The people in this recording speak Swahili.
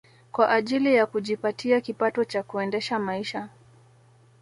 Kwa ajili ya kujipatia kipato cha kuendesha maisha